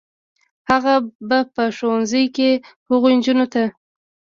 هغه به په ښوونځي کې هغو نجونو ته